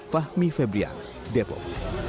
fahmi febriar depok